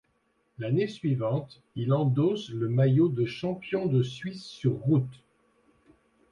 L'année suivante, il endosse le maillot de champion de Suisse sur route.